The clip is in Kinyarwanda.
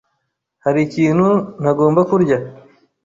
Hari ikintu ntagomba kurya?